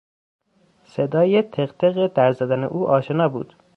صدای تقتق در زدن او آشنا بود.